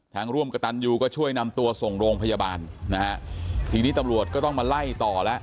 ร่วมกับตันยูก็ช่วยนำตัวส่งโรงพยาบาลนะฮะทีนี้ตำรวจก็ต้องมาไล่ต่อแล้ว